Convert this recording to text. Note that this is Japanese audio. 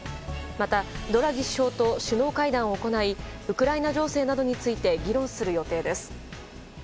また、ドラギ首相と首脳会談を行いウクライナ情勢などについて議論する予定です。